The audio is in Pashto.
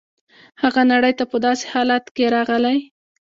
هغه نړۍ ته په داسې حالت کې راغلی.